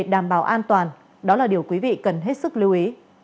đảm bảo an toàn đó là điều quý vị cần hết sức lưu ý